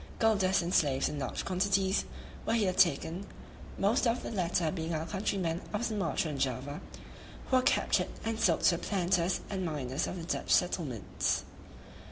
Gold dust and slaves in large quantities were here taken, most of the latter being our countrymen of Sumatra and Java, who are captured and sold to the planters and miners of the Dutch settlements.